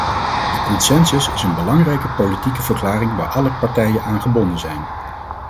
De consensus is een belangrijke politieke verklaring waar alle partijen aan gebonden zijn.